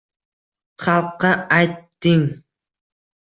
Xalqqa ayting